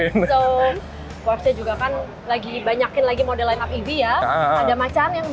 so porsche juga kan lagi banyakin lagi model line up ev ya ada macan yang baru